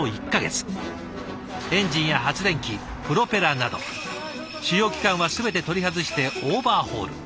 エンジンや発電機プロペラなど主要機関は全て取り外してオーバーホール。